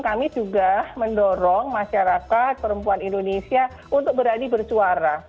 kami juga mendorong masyarakat perempuan indonesia untuk berani bersuara